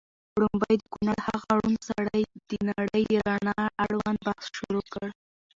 ړومبی د کونړ هغه ړوند سړي د نړۍ د رڼا اړوند بحث شروع کړ